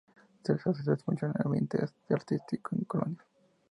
Se le asocia mucho con el ambiente artístico de Colonia.